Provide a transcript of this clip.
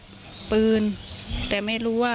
โทรไปถามว่าแม่ช่วยด้วยถูกจับ